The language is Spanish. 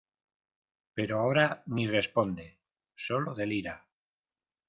pero ahora ni responde, solo delira.